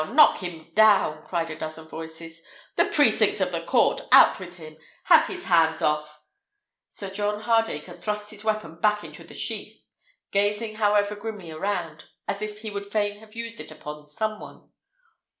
knock him down!" cried a dozen voices. "The precincts of the court! out with him! Have his hand off!" Sir John Hardacre thrust his weapon back into the sheath, gazing, however, grimly around, as if he would fain have used it upon some one.